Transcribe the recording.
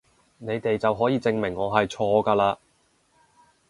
你哋就可以證明我係錯㗎嘞！